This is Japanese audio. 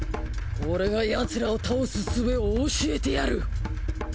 俺がヤツらを倒すすべを教えてやる。